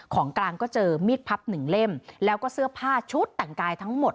ของกลางก็เจอมีดพับหนึ่งเล่มแล้วก็เสื้อผ้าชุดแต่งกายทั้งหมด